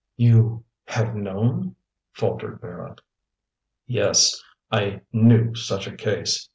"You have known...?" faltered Vera. "Yes, I knew such a case.